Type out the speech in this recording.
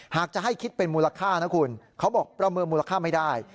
หากจะให้คิดเป็นมูลค่านะคุณเขาบอกประเมินมูลค่าไม่ได้